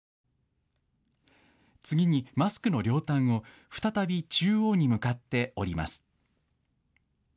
次にマスクの両端を再び中央に向かって折ります。